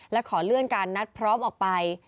และขอเลื่อนการนัดพร้อมออกไป